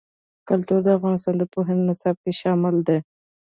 کلتور د افغانستان د پوهنې نصاب کې شامل دي.